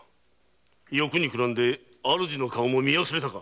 欲にくらんで主の顔も見忘れたか！